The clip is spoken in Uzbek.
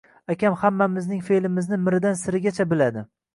Akam hammamizning fe`limizni miridan-sirigacha biladi